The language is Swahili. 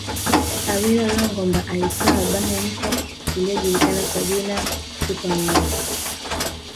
Awilo Longomba alitoa albamu mpya iliyojulikana kwa jina Super Man